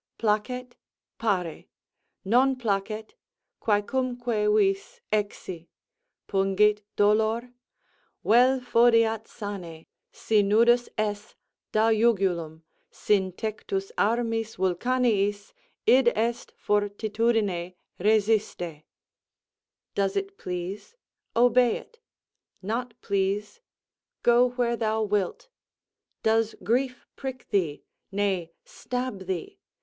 _Placet? Pare. Non placet? Quâcumque vis, exi. Pungit dolor? Vel fodiat sane. Si nudus es, da jugulum; sin tectus armis Vulcaniis, id est fortitudine, résisté;_ "Does it please? Obey it. Not please? Go where thou wilt. Does grief prick thee, nay, stab thee?